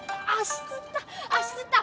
足つった！